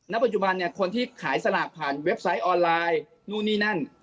ปัจจุบันเนี่ยคนที่ขายสลากผ่านเว็บไซต์ออนไลน์นู่นนี่นั่น